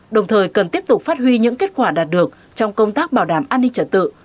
đồng thời cần tiếp tục phát huy những kết quả đạt được trong công tác bảo đảm an ninh trật tự